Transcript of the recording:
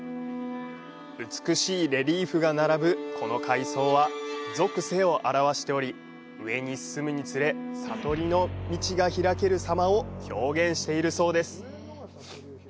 美しいレリーフが並ぶこの階層は俗世を表しており上に進むにつれ、悟りの道が開ける様を表現しているそうです。